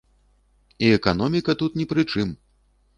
І эканоміка тут ні пры чым.